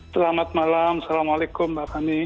selamat malam assalamualaikum mbak fani